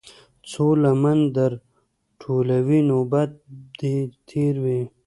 څــــو لمـــن در ټولـــوې نوبت دې تېر وي.